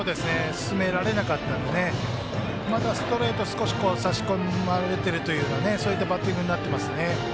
進められなかったのでまだストレートに少し差し込まれているというバッティングになっていますね。